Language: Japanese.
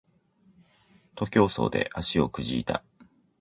徒競走で足をくじいた